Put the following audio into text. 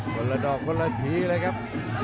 คนละดอกคนละทีเลยครับ